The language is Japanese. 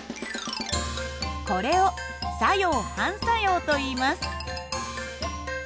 これを作用・反作用といいます。